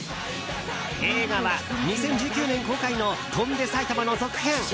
映画は２０１９年公開の「翔んで埼玉」の続編。